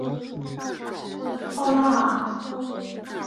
奥拉阿。